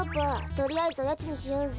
とりあえずおやつにしようぜ。